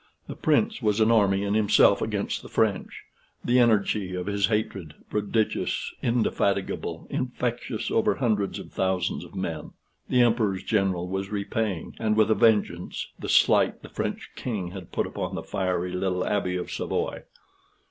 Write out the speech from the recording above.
The Prince was an army in himself against the French; the energy of his hatred, prodigious, indefatigable infectious over hundreds of thousands of men. The Emperor's general was repaying, and with a vengeance, the slight the French King had put upon the fiery little Abbe of Savoy.